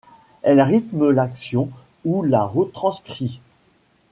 Elle rythme l'action, ou la retranscrit.